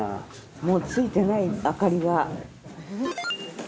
もうついてない明かりが。